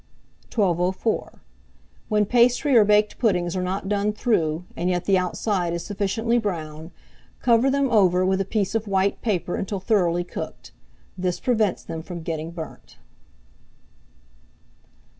1204. When pastry or baked puddings are not done through, and yet the outside is sufficiently brown, cover them over with a piece of white paper until thoroughly cooked: this prevents them from getting burnt.